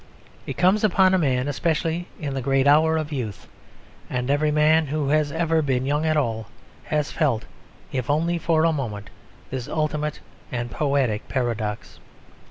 It comes upon a man especially in the great hour of youth; and every man who has ever been young at all has felt, if only for a moment, this ultimate and poetic paradox.